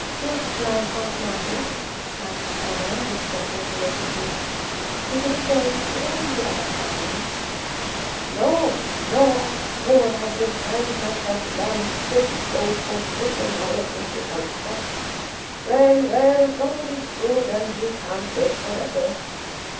'What life, Aunt Margaret?' asked Anna, with gentle solicitude. 'Is it afraid of the end you are, darling?' 'No, no, asthore. I've resigned myself long since, though 'twas bitter knowledge at the outset. Well, well, God is good and we can't live forever.'